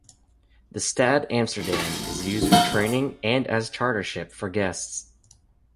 The "Stad Amsterdam" is used for training and as a charter-ship for guests.